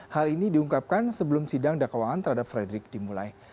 hal ini diungkapkan sebelum sidang dakwaan terhadap frederick dimulai